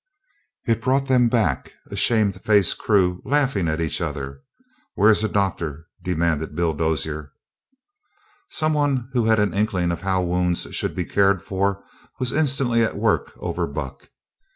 It brought them back, a shamefaced crew, laughing at each other. "Where's a doctor?" demanded Bill Dozier. Someone who had an inkling of how wounds should be cared for was instantly at work over Buck.